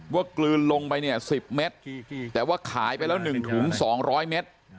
ว่ากลืนลงไปเนี่ยสิบเมตรแต่ว่าขายไปแล้วหนึ่งถุงสองร้อยเมตร